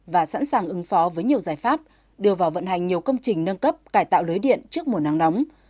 và sẵn sàng ứng phó với nhiều giải pháp đưa vào vận hành nhiều công trình nâng cấp cải tạo lưới điện trước mùa nắng nóng